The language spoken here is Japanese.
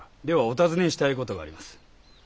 ではお尋ねしたい事があります。